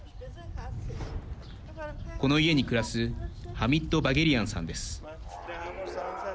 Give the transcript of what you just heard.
この家に暮らすハミッド・バゲリアンさんです。